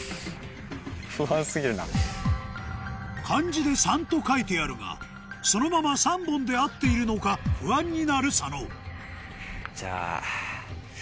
漢字で「三」と書いてあるがそのまま３本で合っているのか不安になる佐野じゃあ